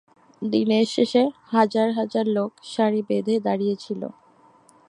দিনের শেষে হাজার হাজার লোক সারি বেঁধে দাঁড়িয়েছিল।